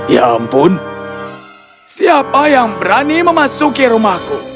ya ampun siapa yang berani memasuki rumahku